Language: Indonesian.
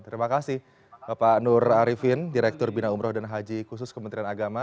terima kasih bapak nur arifin direktur bina umroh dan haji khusus kementerian agama